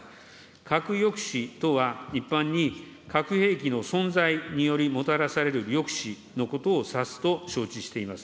核抑止とは、一般に、核兵器の存在によりもたらされる抑止のことを指すと承知しています。